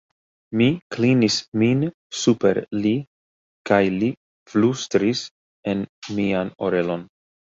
Mi klinis min super li kaj li flustris en mian orelon: